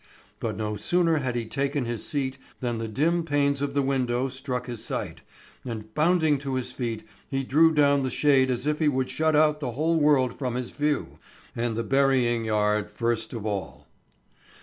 But no sooner had he taken his seat than the dim panes of the window struck his sight, and bounding to his feet he drew down the shade as if he would shut out the whole world from his view, and the burying yard first of all.